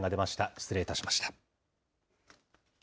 失礼いたしました。